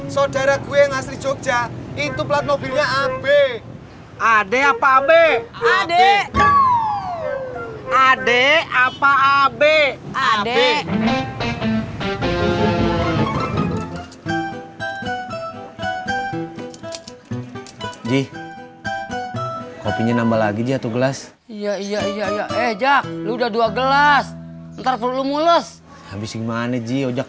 saudara gue yang asli jogja